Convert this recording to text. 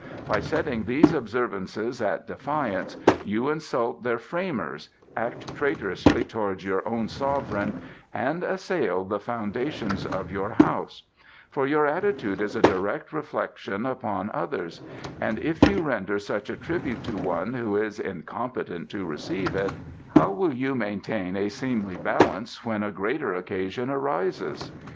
By setting these observances at defiance you insult their framers, act traitorously towards your sovereign, and assail the foundations of your House; for your attitude is a direct reflection upon others; and if you render such a tribute to one who is incompetent to receive it, how will you maintain a seemly balance when a greater occasion arises?"